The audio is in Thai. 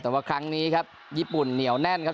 แต่ว่าครั้งนี้ครับญี่ปุ่นเหนียวแน่นครับ